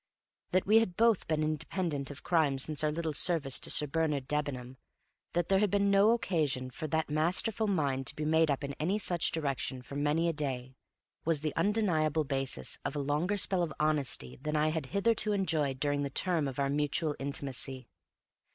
That we had both been independent of crime since our little service to Sir Bernard Debenham that there had been no occasion for that masterful mind to be made up in any such direction for many a day was the undeniable basis of a longer spell of honesty than I had hitherto enjoyed during the term of our mutual intimacy.